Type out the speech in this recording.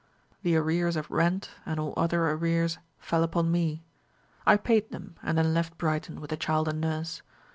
The arrears of rent and all other arrears fell upon me. I paid them, and then left Brighton with the child and nurse.